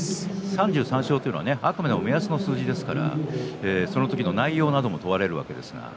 ３３勝というのはあくまで目安の数字ですから内容なども問われるわけです。